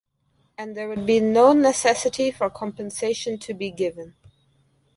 And there would be no necessity for compensation to be given.